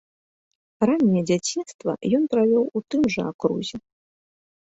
Ранняе дзяцінства ён правёў у тым жа акрузе.